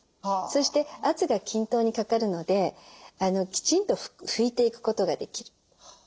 そして圧が均等にかかるのできちんと拭いていくことができる。